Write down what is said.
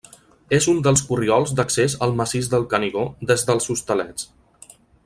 És un dels corriols d'accés al Massís del Canigó des dels Hostalets.